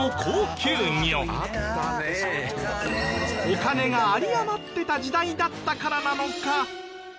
お金があり余ってた時代だったからなのか。